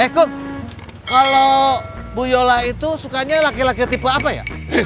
eko kalau bu yola itu sukanya laki laki tipe apa ya